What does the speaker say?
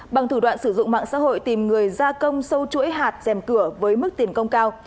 bằng thủ đoạn sử dụng mạng xã hội tìm người gia công sâu chuỗi hạt dèm cửa với mức tiền công cao